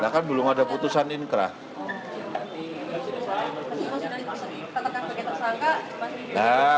bahkan belum ada putusan inkra